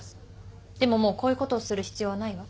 でももうこういうことをする必要はないわ。